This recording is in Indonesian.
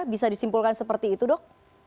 bisa disimpulkan seperti itu dok